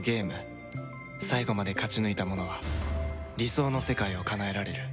最後まで勝ち抜いた者は理想の世界をかなえられる